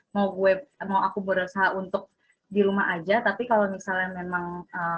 mau aku berusaha untuk di rumah aja tapi kalau misalnya memang